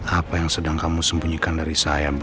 apa yang sedang kamu sembunyikan dari saya